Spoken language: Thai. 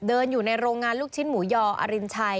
อยู่ในโรงงานลูกชิ้นหมูยอรินชัย